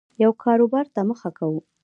یو کاربار ته مخه کوو